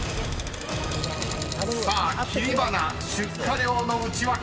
［さあ切り花出荷量のウチワケ］